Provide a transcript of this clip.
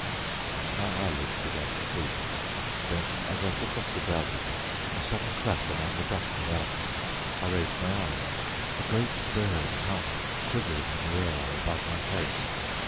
My eyelids began to droop. Then as I shook off the drowsiness a sudden crash among the bracken roused me. I raised my eyes. A great bird hung quivering in the air above my face.